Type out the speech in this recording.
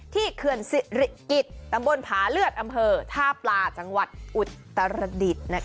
เขื่อนสิริกิจตำบลผาเลือดอำเภอท่าปลาจังหวัดอุตรดิษฐ์